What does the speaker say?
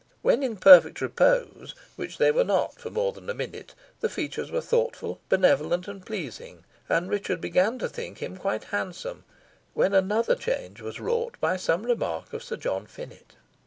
When in perfect repose, which they were not for more than a minute, the features were thoughtful, benevolent, and pleasing, and Richard began to think him quite handsome, when another change was wrought by some remark of Sir John Finett.